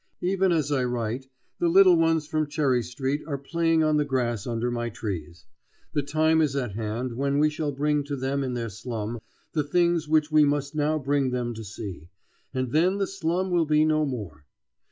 Even as I write the little ones from Cherry Street are playing on the grass under my trees. The time is at hand when we shall bring to them in their slum the things which we must now bring them to see, and then the slum will be no more.